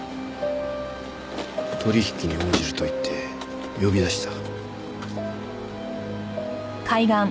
取引に応じると言って呼び出した。